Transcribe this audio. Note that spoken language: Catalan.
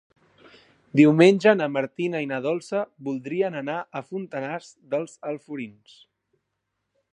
Diumenge na Martina i na Dolça voldrien anar a Fontanars dels Alforins.